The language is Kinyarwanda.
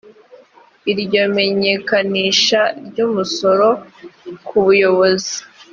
iryo menyekanisha ry umusoro ku buyobozi